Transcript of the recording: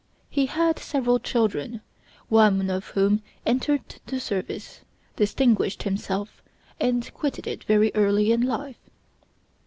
He had several children, one of whom entered the service, distinguished himself, and quitted it very early in life.